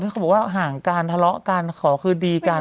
เขาบอกว่าห่างการทะเลาะกันขอคืนดีกัน